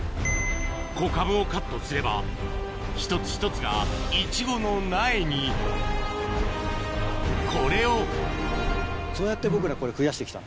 子株をカットすれば一つ一つがイチゴの苗にこれをそうやって僕らこれ増やして来たの。